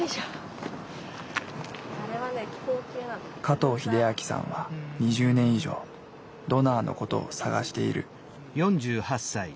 加藤英明さんは２０年以上ドナーのことを探している。